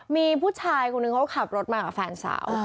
มีผู้ชายคนหนึ่งเขาขับรถมากับแฟนสาว